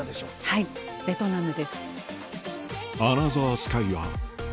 はいベトナムです。